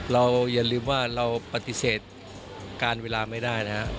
อย่าลืมว่าเราปฏิเสธการเวลาไม่ได้นะครับ